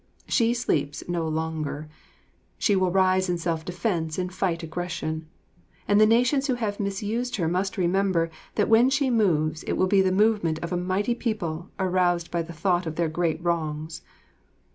She sleeps no longer; she will rise in self defense and fight aggression; and the nations who have misused her must remember that when she moves it will be the movement of a mighty people aroused by the thought of their great wrongs.